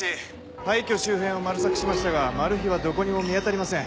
廃虚周辺をマル索しましたがマルヒはどこにも見当たりません。